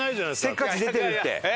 せっかち出てるって。